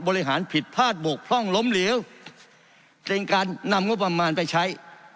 ผิดพลาดบกพร่องล้มเหลวเป็นการนำงบประมาณไปใช้